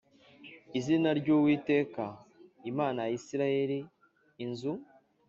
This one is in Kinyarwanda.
izina ry Uwiteka Imana ya Isirayeli inzu